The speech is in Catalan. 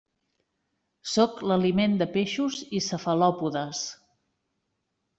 Són l'aliment de peixos i cefalòpodes.